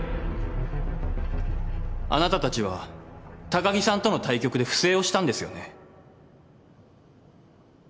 あなたたちは高城さんとの対局で不正をしたんですよね？